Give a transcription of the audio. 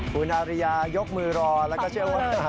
หูนาเรียยกมือรอแล้วก็เชื่อเวิล